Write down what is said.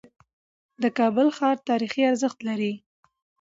د کابل ښار تاریخي ارزښت لري.